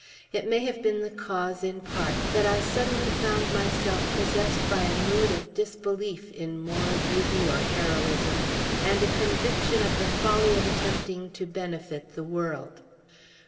It may have been the cause, in part, that I suddenly found myself possessed by a mood of disbelief in moral beauty or heroism, and a conviction of the folly of attempting to benefit the world.